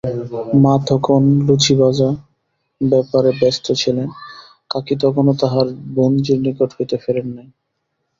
মা তখন লুচিভাজা-ব্যাপারে ব্যস্ত ছিলেন, কাকী তখনো তাঁহার বোনঝির নিকট হইতে ফেরেন নাই।